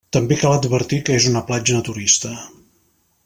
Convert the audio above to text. També cal advertir que és una platja naturista.